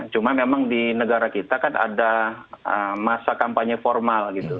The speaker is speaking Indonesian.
cuma memang di negara kita kan ada masa kampanye formal gitu